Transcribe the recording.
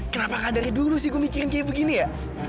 kenapa kan dari dulu sih gue mikirin kayak begini ya